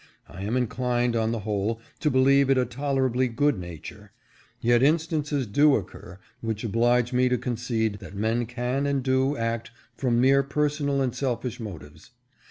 I am inclined, on the whole, to believe it a tolerably good nature, yet instances do occur which oblige me to concede that men can and do act from mere personal and selfish motives.